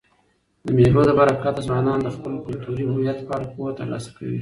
د مېلو له برکته ځوانان د خپل کلتوري هویت په اړه پوهه ترلاسه کوي.